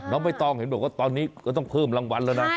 น้องไม่ต้องเห็นตอนนี้ก็ต้องเพิ่มรางวัลเลยนะ